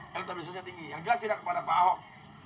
yang tetap bisnisnya tinggi yang jelas tidak kepada pak ahok